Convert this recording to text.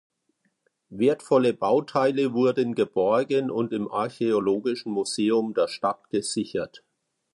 Wertvolle Bauteile wurden geborgen und im Archäologischen Museum der Stadt gesichert.